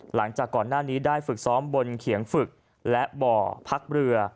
หลังจากก่อนหน้านี้ได้ฝึกซ้อมบนเขียงฝึกและบ่อพักเรือ